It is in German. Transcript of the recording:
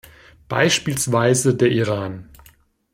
Beispielsweise der Iran.